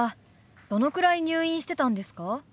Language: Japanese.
どのくらい入院してたんですか？